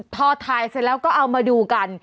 พอถ่ายเสร็จแล้วก็เอามาดูกัน